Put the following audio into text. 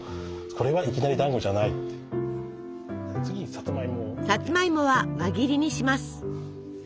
さつまいもは輪切りにします。